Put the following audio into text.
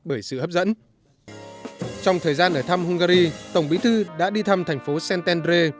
bởi sự hấp dẫn trong thời gian ở thăm hungary tổng bí thư đã đi thăm thành phố centendre